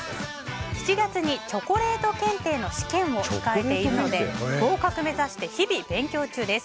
７月にチョコレート検定の試験を控えていて合格目指して日々、勉強中です。